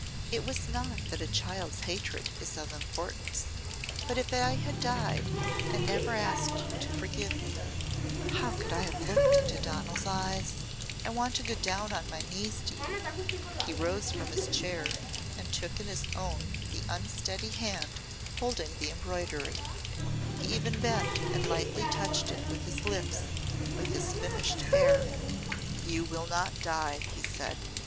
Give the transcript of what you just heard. It was not that a child's hatred is of importance but if I had died and never asked you to forgive me, how could I have looked into Donal's eyes? I want to go down on my knees to you!" He rose from his chair, and took in his own the unsteady hand holding the embroidery. He even bent and lightly touched it with his lips, with his finished air. "You will not die," he said.